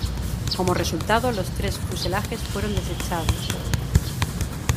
Como resultado, los tres fuselajes fueron desechados.